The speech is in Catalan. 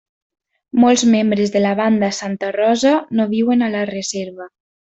Molts membres de la banda Santa Rosa no viuen a la reserva.